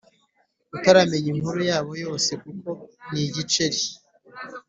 utaramenya inkuru yabo yose kuko nigiceri